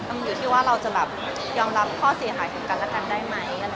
อยู่ที่ว่าเราจะแบบยอมรับข้อเสียหายถึงกันและกันได้ไหม